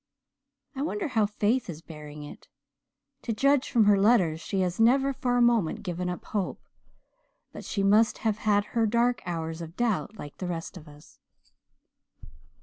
I wonder how Faith is bearing it. To judge from her letters she has never for a moment given up hope, but she must have had her dark hours of doubt like the rest of us."